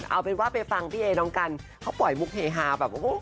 เอาเป็นว่าไปฟังพี่เอน้องกันเขาปล่อยมุกเฮฮาแบบโอ้โห